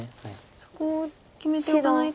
そこを決めておかないと。